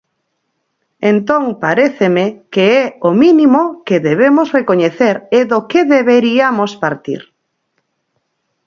Entón, paréceme que é o mínimo que debemos recoñecer e do que deberiamos partir.